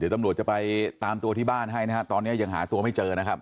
ตำรวจจะไปตามตัวที่บ้านให้นะฮะตอนนี้ยังหาตัวไม่เจอนะครับ